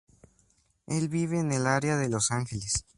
Él vive en el área de Los Ángeles.